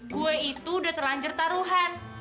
gue itu udah terlanjur taruhan